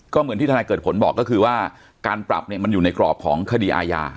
ก็เหมือนที่ทนายเกิดผลบอกก็คือว่าการปรับเนี่ยมันอยู่ในกรอบของคดีอาญา